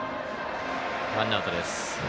ワンアウトです。